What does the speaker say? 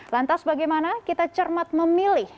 lantas bagaimana kita cermat memilih